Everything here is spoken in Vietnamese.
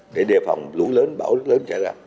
để đề phòng lũ lớn bão lớn chạy ra